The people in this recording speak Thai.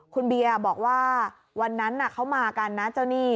คุณเบียบอกว่าวันนั้นเขามากันนะเจ้าหนี้